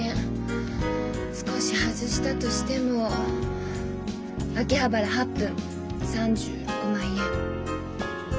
少し外したとしても秋葉原８分３６万円。